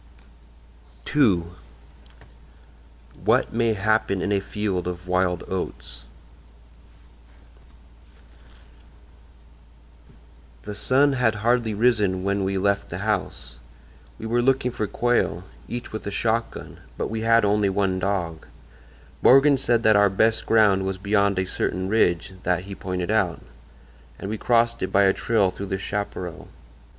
II WHAT MAY HAPPEN IN A FIELD OF WILD OATS "... The sun had hardly risen when we left the house. We were looking for quail, each with a shotgun, but we had only one dog. Morgan said that our best ground was beyond a certain ridge that he pointed out, and we crossed it by a trail through the chaparral.